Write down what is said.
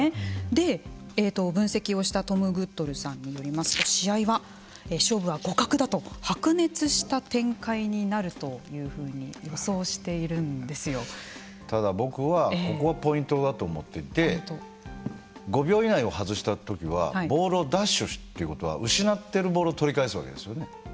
で、分析をしたトム・グッドルさんによりますと試合は、勝負は互角だと白熱した展開になるというふうにただ、僕はここがポイントだと思ってて５秒以内を外した時はボールを奪取ということは失ったボールを取り返すわけですね。